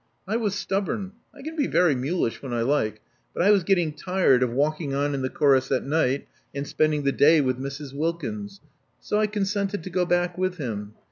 I was stubborn — I can be very mulish when I like; but I was getting tired of walking on in the chorus at night and spend ing the day with Mrs. Wilkins; so I consented to go back with him.